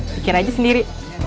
pikir aja sendiri